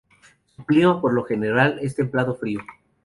Su clima por lo general es templado-frío.